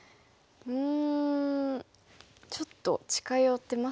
うんちょっと近寄ってますかね。